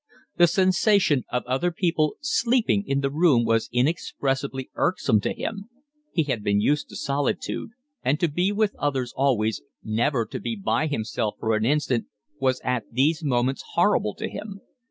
The sensation of other people sleeping in the room was inexpressibly irksome to him; he had been used to solitude, and to be with others always, never to be by himself for an instant was at these moments horrible to him.